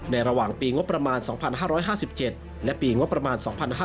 ระหว่างปีงบประมาณ๒๕๕๗และปีงบประมาณ๒๕๕๙